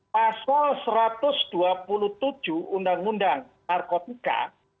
pasal satu ratus dua puluh tujuh undang undang narkotika